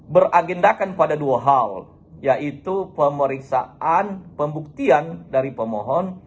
beragendakan pada dua hal yaitu pemeriksaan pembuktian dari pemohon